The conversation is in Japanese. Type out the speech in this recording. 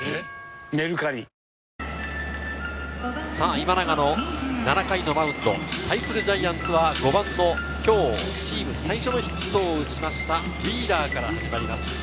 今永の７回のマウンド。対するジャイアンツは５番の今日、チーム最初のヒットを打ちました、ウィーラーから始まります。